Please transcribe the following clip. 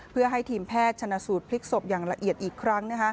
เพื่อให้ทีมแพทย์ชนะสูตรพลิกศพอย่างละเอียดอีกครั้ง